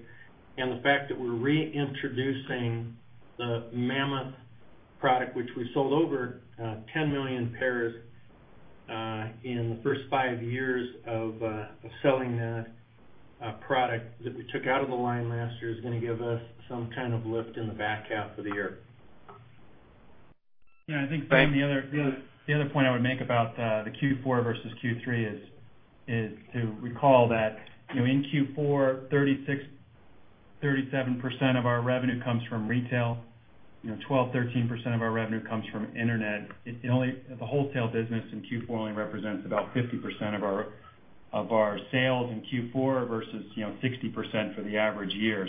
and the fact that we're reintroducing the Mammoth product, which we sold over 10 million pairs in the first five years of selling that product that we took out of the line last year, is going to give us some kind of lift in the back half of the year. I think, Sam, the other point I would make about the Q4 versus Q3 is to recall that in Q4, 36%-37% of our revenue comes from retail, 12%-13% of our revenue comes from internet. The wholesale business in Q4 only represents about 50% of our sales in Q4 versus 60% for the average year.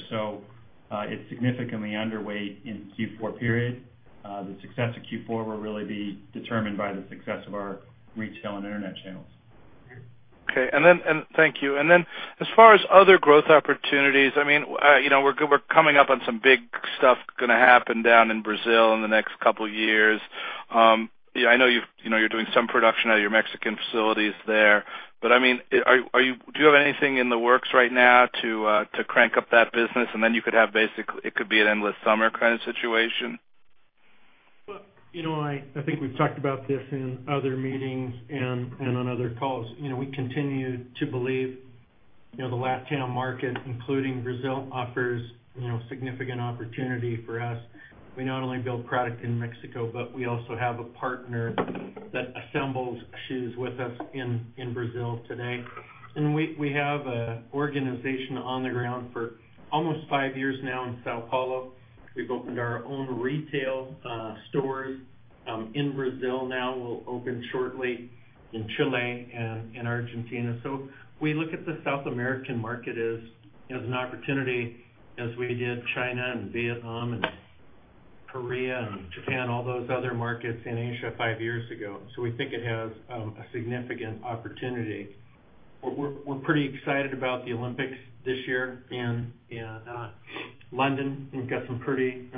It's significantly underweight in Q4 period. The success of Q4 will really be determined by the success of our retail and internet channels. Okay. Thank you. As far as other growth opportunities, we're coming up on some big stuff going to happen down in Brazil in the next couple of years. I know you're doing some production out of your Mexican facilities there. Do you have anything in the works right now to crank up that business, then it could be an endless summer kind of situation? Well, I think we've talked about this in other meetings and on other calls. We continue to believe the LatAm market, including Brazil, offers significant opportunity for us. We not only build product in Mexico, but we also have a partner that assembles shoes with us in Brazil today. We have an organization on the ground for almost five years now in São Paulo. We've opened our own retail stores in Brazil now. We'll open shortly in Chile and in Argentina. We look at the South American market as an opportunity as we did China and Vietnam and Korea and Japan, all those other markets in Asia five years ago. We think it has a significant opportunity. We're pretty excited about the Olympics this year in London. We've got some pretty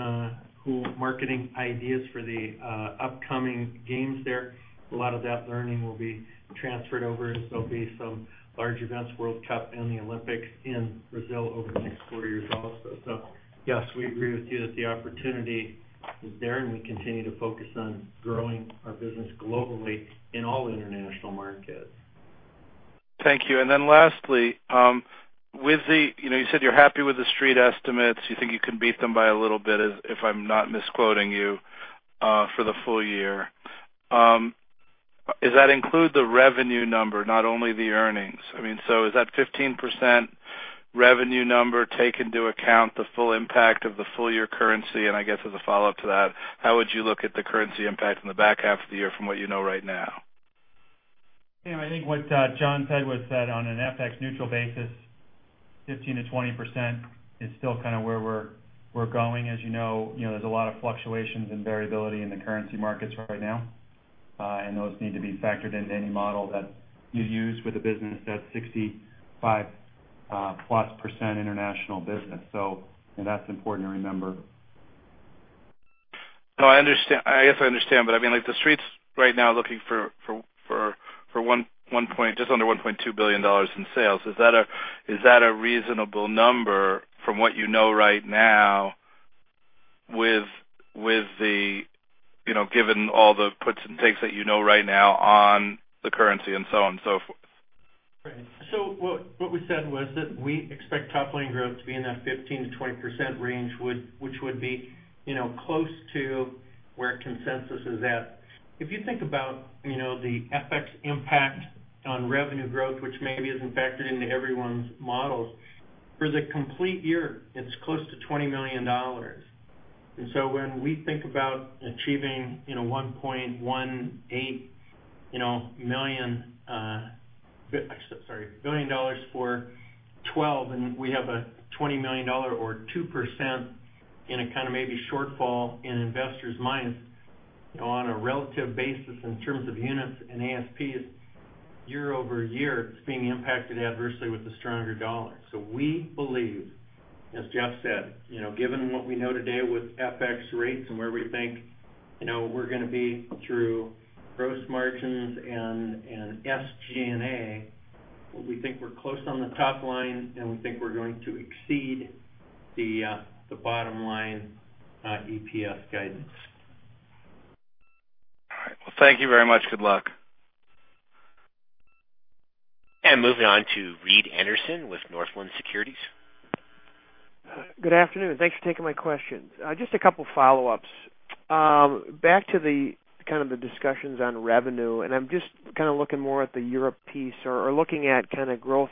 cool marketing ideas for the upcoming games there. A lot of that learning will be transferred over, as there'll be some large events, World Cup and the Olympics in Brazil over the next four years also. Yes, we agree with you that the opportunity is there, and we continue to focus on growing our business globally in all international markets. Thank you. Lastly, you said you're happy with the Street estimates. You think you can beat them by a little bit, if I'm not misquoting you, for the full year. Does that include the revenue number, not only the earnings? Does that 15% revenue number take into account the full impact of the full-year currency? I guess as a follow-up to that, how would you look at the currency impact in the back half of the year from what you know right now? I think what John said was that on an FX neutral basis, 15%-20% is still where we're going. As you know, there's a lot of fluctuations and variability in the currency markets right now. Those need to be factored into any model that you use with a business that's 65% plus international business. That's important to remember. No, I guess I understand, the Street's right now looking for just under $1.2 billion in sales. Is that a reasonable number from what you know right now, given all the puts and takes that you know right now on the currency and so on and so forth? Right. What we said was that we expect top line growth to be in that 15%-20% range, which would be close to where consensus is at. If you think about the FX impact on revenue growth, which maybe isn't factored into everyone's models, for the complete year, it's close to $20 million. When we think about achieving $1.18 billion for 2012, and we have a $20 million or 2% maybe shortfall in investors' minds on a relative basis in terms of units and ASPs year-over-year, it's being impacted adversely with the stronger dollar. We believe, as Jeff said, given what we know today with FX rates and where we think we're going to be through gross margins and SG&A, we think we're close on the top line, and we think we're going to exceed the bottom line EPS guidance. All right. Well, thank you very much. Good luck. Moving on to Reed Anderson with Northland Securities. Good afternoon. Thanks for taking my questions. Just a couple follow-ups. Back to the discussions on revenue, I'm just looking more at the Europe piece or looking at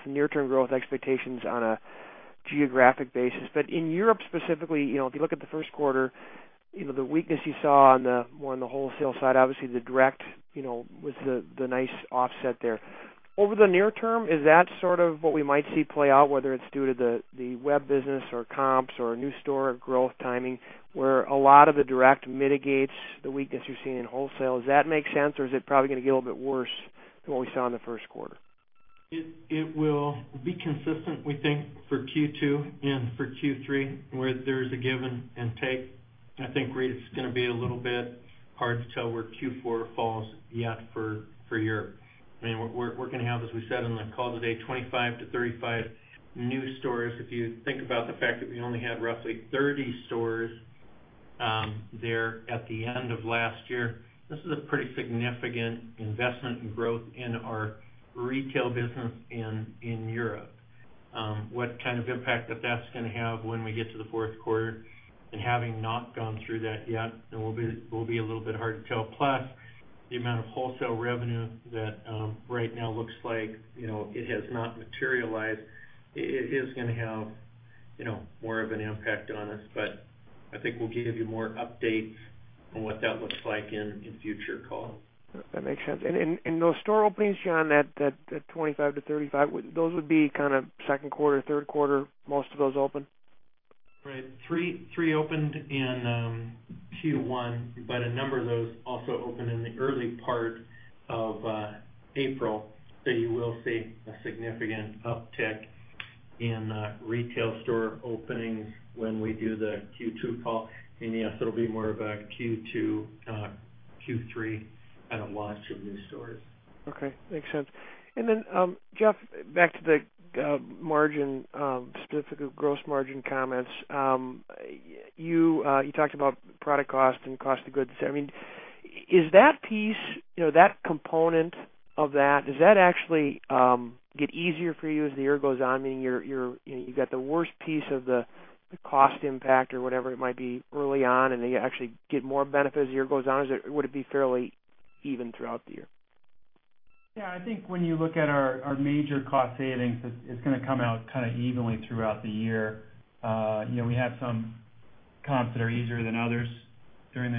near-term growth expectations on a geographic basis. In Europe specifically, if you look at the first quarter, the weakness you saw more on the wholesale side, obviously the direct was the nice offset there. Over the near term, is that sort of what we might see play out, whether it's due to the web business or comps or new store growth timing, where a lot of the direct mitigates the weakness you're seeing in wholesale? Does that make sense, or is it probably going to get a little bit worse than what we saw in the first quarter? It will be consistent, we think, for Q2 and for Q3, where there is a give and take. I think, Reed, it's going to be a little bit hard to tell where Q4 falls yet for Europe. We're going to have, as we said on the call today, 25 to 35 new stores. If you think about the fact that we only had roughly 30 stores there at the end of last year, this is a pretty significant investment in growth in our retail business in Europe. What kind of impact that's going to have when we get to the fourth quarter and having not gone through that yet, it will be a little bit hard to tell. The amount of wholesale revenue that right now looks like it has not materialized, it is going to have more of an impact on us. I think we'll give you more updates on what that looks like in future calls. That makes sense. Those store openings, John, that 25-35, those would be kind of second quarter, third quarter, most of those open? Right. Three opened in Q1, a number of those also opened in the early part of April. You will see a significant uptick in retail store openings when we do the Q2 call. Yes, it'll be more of a Q2, Q3 kind of launch of new stores. Okay. Makes sense. Then, Jeff, back to the margin, specifically gross margin comments. You talked about product cost and cost of goods. Is that piece, that component of that, does that actually get easier for you as the year goes on, meaning you got the worst piece of the cost impact or whatever it might be early on, then you actually get more benefit as the year goes on? Or would it be fairly even throughout the year? Yeah, I think when you look at our major cost savings, it's going to come out kind of evenly throughout the year. We have some comps that are easier than others during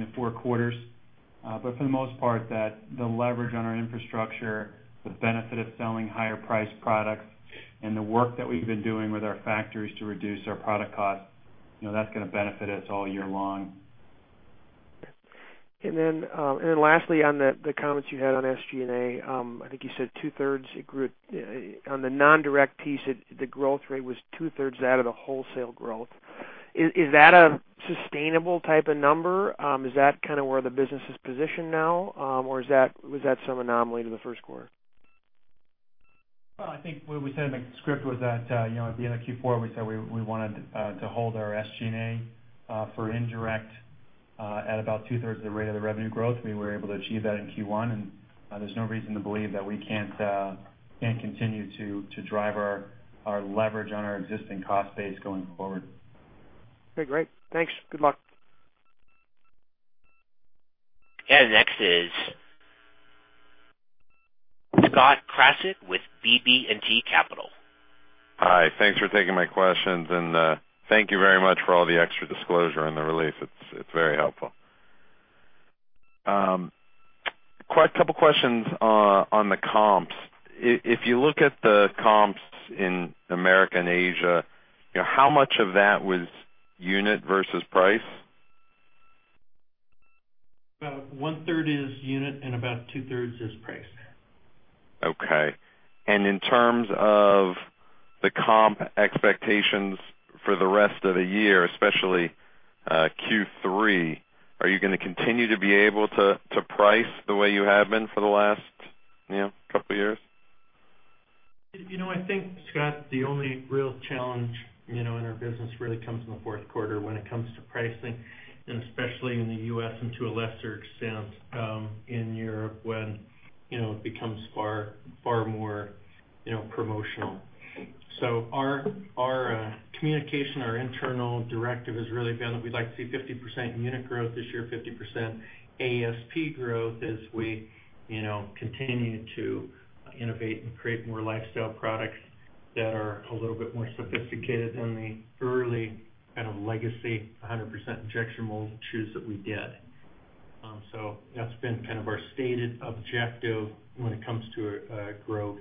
the four quarters. For the most part, the leverage on our infrastructure, the benefit of selling higher priced products, the work that we've been doing with our factories to reduce our product cost, that's going to benefit us all year long. Lastly, on the comments you had on SG&A, I think you said two-thirds, on the non-direct piece, the growth rate was two-thirds that of the wholesale growth. Is that a sustainable type of number? Is that kind of where the business is positioned now? Or was that some anomaly to the first quarter? Well, I think what we said in the script was that at the end of Q4, we said we wanted to hold our SG&A for indirect at about two-thirds of the rate of the revenue growth. We were able to achieve that in Q1. There's no reason to believe that we can't continue to drive our leverage on our existing cost base going forward. Okay, great. Thanks. Good luck. Next is Scott Krasik with BB&T Capital Markets. Hi. Thanks for taking my questions, and thank you very much for all the extra disclosure in the release. It's very helpful. Quite a couple of questions on the comps. If you look at the comps in America and Asia, how much of that was unit versus price? About one-third is unit and about two-thirds is price. Okay. In terms of the comp expectations for the rest of the year, especially Q3, are you going to continue to be able to price the way you have been for the last couple of years? I think, Scott, the only real challenge in our business really comes in the fourth quarter when it comes to pricing, and especially in the U.S. and to a lesser extent, in Europe, when it becomes far more promotional. Our communication, our internal directive has really been that we'd like to see 50% unit growth this year, 50% ASP growth as we continue to innovate and create more lifestyle products that are a little bit more sophisticated than the early kind of legacy, 100% injection mold shoes that we did. That's been kind of our stated objective when it comes to growth.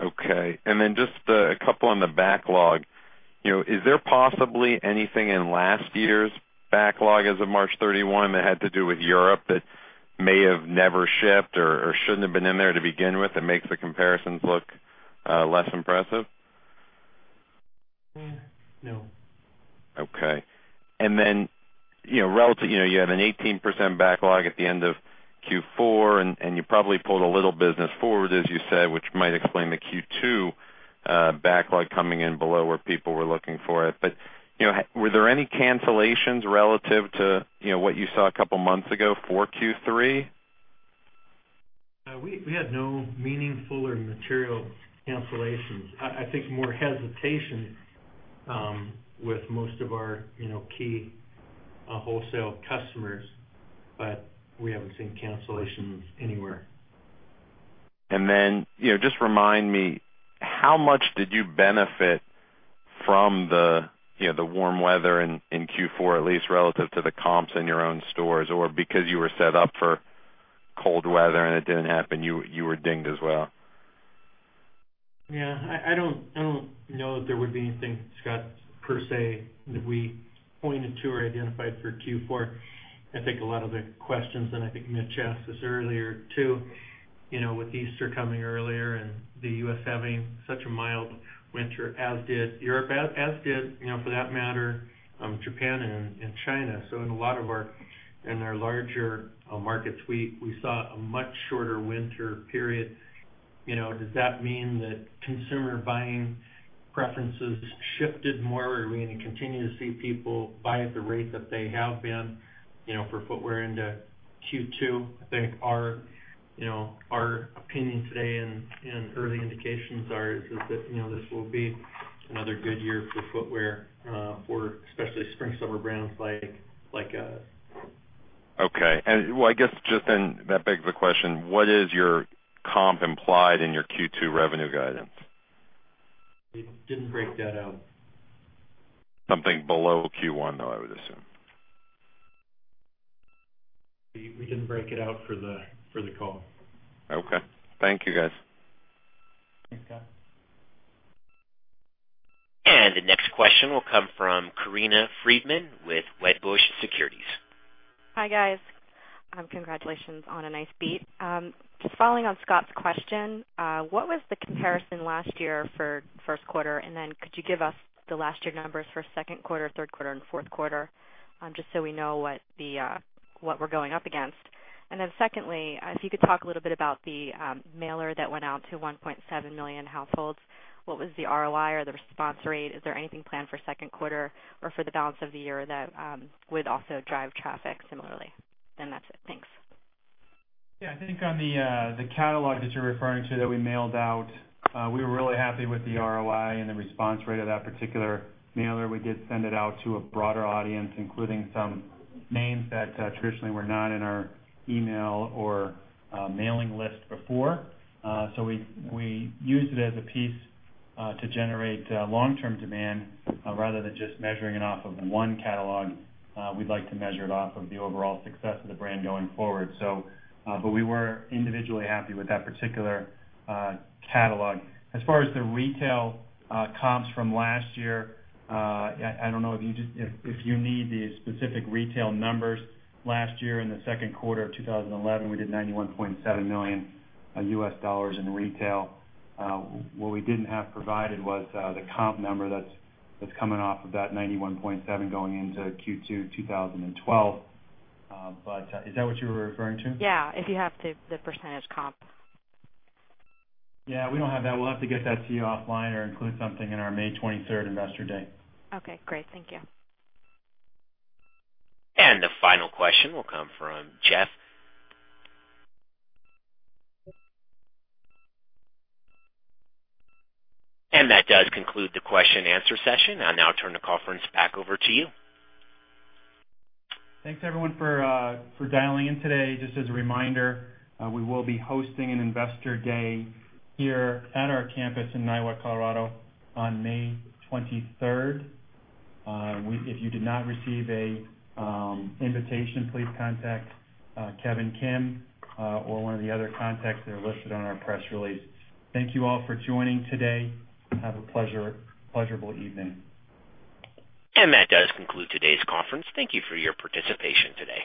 Okay. Just a couple on the backlog. Is there possibly anything in last year's backlog as of March 31 that had to do with Europe that may have never shipped or shouldn't have been in there to begin with, that makes the comparisons look less impressive? No. Okay. You had an 18% backlog at the end of Q4, and you probably pulled a little business forward, as you said, which might explain the Q2 backlog coming in below where people were looking for it. Were there any cancellations relative to what you saw a couple of months ago for Q3? We had no meaningful or material cancellations. I think more hesitation with most of our key wholesale customers, but we haven't seen cancellations anywhere. Just remind me, how much did you benefit from the warm weather in Q4, at least relative to the comps in your own stores? Because you were set up for cold weather and it didn't happen, you were dinged as well? Yeah. I don't know that there would be anything, Scott, per se, that we pointed to or identified for Q4. I think a lot of the questions, and I think Mitch asked this earlier, too. With Easter coming earlier and the U.S. having such a mild winter, as did Europe, as did, for that matter, Japan and China. In a lot of our larger markets, we saw a much shorter winter period. Does that mean that consumer buying preferences shifted more? Are we going to continue to see people buy at the rate that they have been, for footwear into Q2? I think our opinion today and early indications are is that this will be another good year for footwear, for especially spring, summer brands like us. Okay. Well, I guess just then that begs the question, what is your comp implied in your Q2 revenue guidance? We didn't break that out. Something below Q1, though, I would assume. We didn't break it out for the call. Okay. Thank you, guys. Thanks, Scott. The next question will come from Corinna Freedman with Wedbush Securities. Hi, guys. Congratulations on a nice beat. Just following on Scott's question, what was the comparison last year for first quarter? Could you give us the last year numbers for second quarter, third quarter, and fourth quarter, just so we know what we're going up against. Secondly, if you could talk a little bit about the mailer that went out to 1.7 million households. What was the ROI or the response rate? Is there anything planned for second quarter or for the balance of the year that would also drive traffic similarly? That's it. Thanks. Yeah, I think on the catalog that you're referring to that we mailed out, we were really happy with the ROI and the response rate of that particular mailer. We did send it out to a broader audience, including some names that traditionally were not in our email or mailing list before. We used it as a piece to generate long-term demand rather than just measuring it off of one catalog. We'd like to measure it off of the overall success of the brand going forward. We were individually happy with that particular catalog. As far as the retail comps from last year, I don't know if you need the specific retail numbers. Last year in the second quarter of 2011, we did $91.7 million in retail. What we didn't have provided was the comp number that's coming off of that 91.7 going into Q2 2012. Is that what you were referring to? Yeah. If you have the percentage comp. Yeah, we don't have that. We'll have to get that to you offline or include something in our May 23rd Investor Day. Okay, great. Thank you. The final question will come from Jeff. That does conclude the question and answer session. I'll now turn the conference back over to you. Thanks, everyone, for dialing in today. Just as a reminder, we will be hosting an Investor Day here at our campus in Niwot, Colorado, on May 23rd. If you did not receive an invitation, please contact Kevin Kim or one of the other contacts that are listed on our press release. Thank you all for joining today. Have a pleasurable evening. That does conclude today's conference. Thank you for your participation today.